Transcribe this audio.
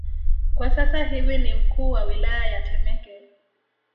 kwa sasa hivi ni mkuu wa wilaya ya Temeke